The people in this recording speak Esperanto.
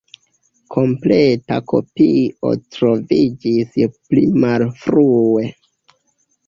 Kompleta kopio troviĝis pli malfrue.